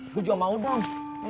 gue juga mau dong